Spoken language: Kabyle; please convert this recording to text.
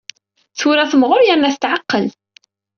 Tura temɣur yerna tetɛeqqel.